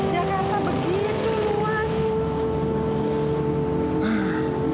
jakarta begitu luas